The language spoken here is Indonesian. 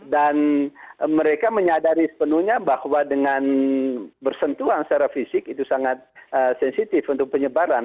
dan mereka menyadari sepenuhnya bahwa dengan bersentuhan secara fisik itu sangat sensitif untuk penyebaran